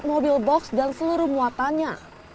mobil box dan seluruh muatannya